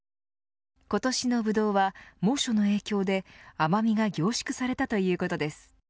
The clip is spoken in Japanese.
今年のブドウは、猛暑の影響で甘みが凝縮されたということです。